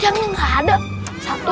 bagi mak beau